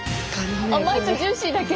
甘いとジューシーだけ。